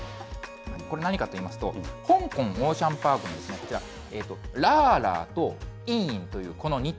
これ何かといいますと、香港オーシャンパークのこちら、ラーラーとインインという、この２頭。